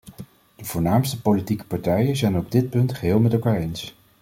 De voornaamste politieke partijen zijn het op dit punt geheel met elkaar eens.